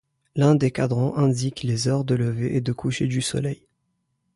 L'un des cadrans indique les heures de lever et de coucher du soleil.